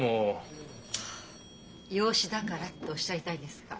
「養子だから」っておっしゃりたいんですか？